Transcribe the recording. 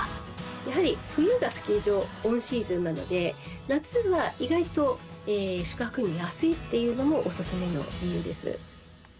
やはり冬がスキー場オンシーズンなので、夏は意外と宿泊費が安いっていうのも、お勧めの理由です。